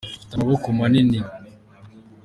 ufite amaboko manini